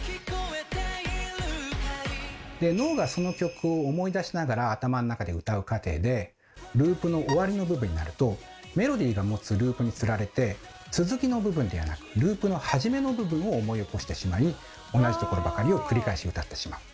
脳がその曲を思い出しながら頭の中で歌う過程でループの終わりの部分になるとメロディーが持つループにつられて続きの部分ではなくループのはじめの部分を思い起こしてしまい同じところばかりを繰り返し歌ってしまう。